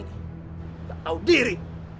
tidak tahu diri